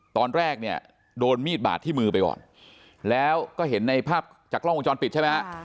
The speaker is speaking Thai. ตอนแรกเนี่ยโดนมีดบาดที่มือไปก่อนแล้วก็เห็นในภาพจากกล้องวงจรปิดใช่ไหมฮะ